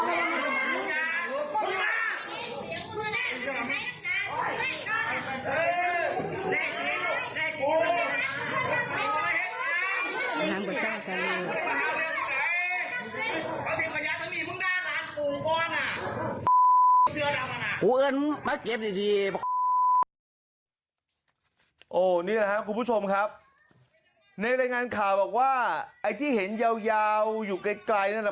เออนี่นะครับคุณผู้ชมครับในรายงานข่าวแบบว่าไอ้ที่เห็นยาวยาวอยู่ใกล้ใกล้นั่นแหละ